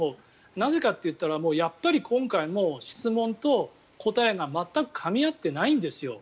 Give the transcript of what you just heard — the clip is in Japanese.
なぜかといったら今回は質問と答えが全くかみ合っていないんですよ。